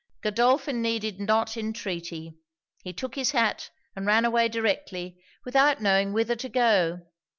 Godolphin needed not entreaty. He took his hat, and ran away directly, without knowing whither to go.